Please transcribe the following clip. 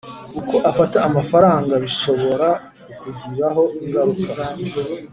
uko ufata amafaranga bishobora kukugiraho ingaruka.